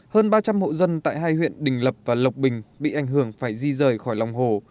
hơn ba trăm linh hộ dân tại hai huyện đình lập và lộc bình bị ảnh hưởng phải di rời khỏi lòng hồ